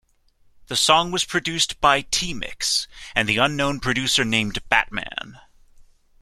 The song was produced by T-Mix and the unknown producer named Batman.